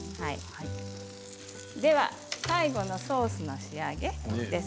では最後のソースの仕上げです。